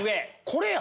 これや！